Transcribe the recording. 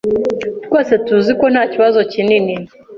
Twese tuzi ko ntakibazo kinini.